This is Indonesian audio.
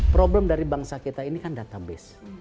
problem dari bangsa kita ini kan database